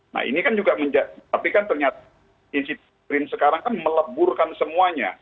nah ini kan juga tapi kan ternyata institusi brin sekarang kan meleburkan semuanya